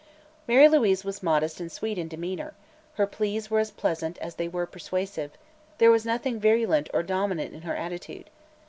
Mary Louise was modest and sweet in demeanor; her pleas were as pleasant as they were persuasive; there was nothing virulent or dominant in her attitude.